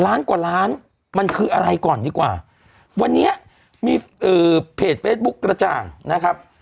ล้านกว่าล้านมันคืออะไรก่อนดีกว่าวันนี้มีเอ่อเพจเฟซบุ๊กกระจ่างนะครับ